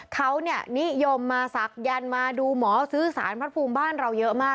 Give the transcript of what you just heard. เขานิยมมาศักยันต์มาดูหมอซื้อสารพระภูมิบ้านเราเยอะมาก